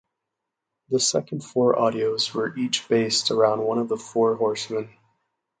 The second four audios were each based around one of the Four Horsemen.